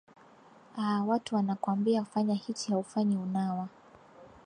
a watu wanakwambia fanya hichi haufanyi unawa